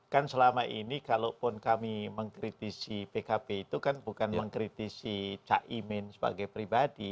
kan selama ini kalaupun kami mengkritisi pkb itu kan bukan mengkritisi cak imin sebagai pribadi